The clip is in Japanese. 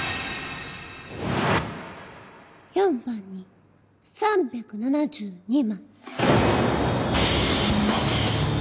４番に３７２枚。